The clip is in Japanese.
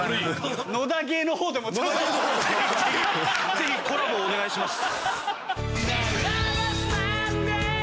ぜひコラボお願いします。